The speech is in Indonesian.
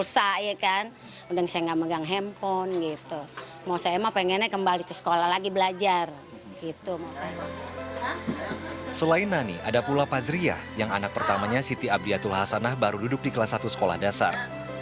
selain nani ada pula pazriah yang anak pertamanya siti abiyatul hasanah baru duduk di kelas satu sekolah dasar